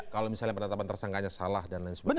kalau misalnya penetapan tersangkanya salah dan lain sebagainya